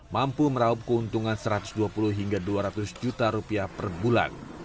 mampu meraup keuntungan satu ratus dua puluh hingga dua ratus juta rupiah per bulan